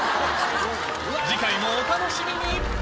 次回もお楽しみに！